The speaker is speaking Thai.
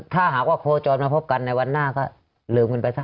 ถ้าหากว่าโคจรมาพบกันในวันหน้าก็ลืมกันไปซะ